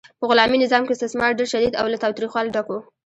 په غلامي نظام کې استثمار ډیر شدید او له تاوتریخوالي ډک و.